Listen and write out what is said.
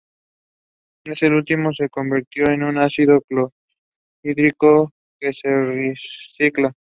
Este último se convierte en ácido clorhídrico que se recicla.